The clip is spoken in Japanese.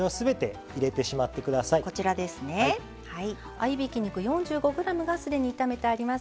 合いびき肉４５ｇが既に炒めてあります。